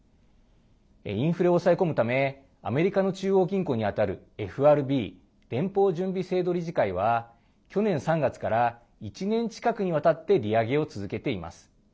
インフレを抑え込むためアメリカの中央銀行にあたるＦＲＢ＝連邦準備制度理事会は去年３月から１年近くにわたって利上げを続けています。